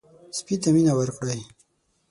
سپي ته مینه ورکړئ.